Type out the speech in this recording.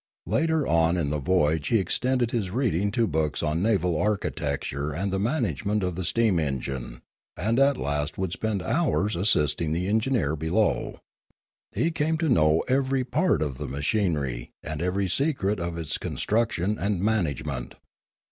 Later on in the voyage he extended his reading to books on naval architecture and the 200 Limanora management of the steam engine, and at last would spend hours assisting the engineer below. He came to know every part of the machinery and every secret of its construction and management.